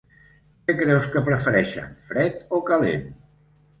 Què creus que prefereixen fred o calent?